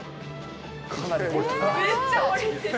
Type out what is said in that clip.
めっちゃ掘れてる。